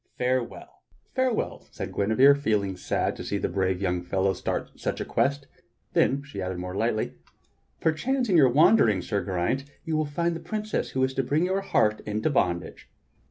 Farewell." "Farewell," said Guinevere, feeling sad to see the brave young fellow start on such a quest. Then she added more lightly : GERAINT WITH THE SPARROW HAWK 55 "Perchance in your wanderings, Sir Geraint, you will find the princess who is to bring your heart into bondage."